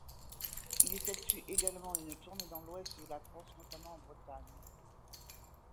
Il effectue également une tournée dans l'Ouest de la France, notamment en Bretagne.